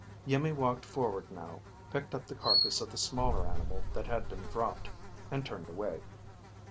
Iimmi walked forward now, picked up the carcass of the smaller animal that had been dropped, and turned away.